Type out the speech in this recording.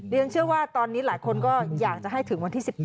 เชื่อว่าตอนนี้หลายคนก็อยากจะให้ถึงวันที่๑๘